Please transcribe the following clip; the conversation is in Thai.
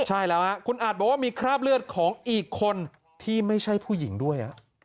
ใช่แล้วคุณอาจบอกว่ามีคราบเลือดของอีกคนที่ไม่ใช่ผู้หญิงด้วย